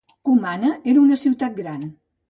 Comana era una ciutat gran.